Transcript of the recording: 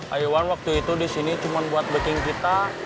ayuan waktu itu disini cuma buat backing kita